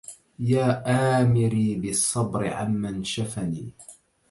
يا آمري بالصبر عمن شفني